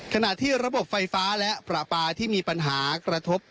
ขณะที่ระบบไฟฟ้าและประปาที่มีปัญหากระทบ